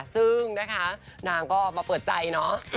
ซึ่งนะคะนางก็มาเปิดใจเนาะ